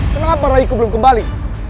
kenapa raiku belum kembali